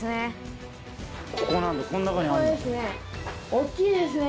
大きいですね！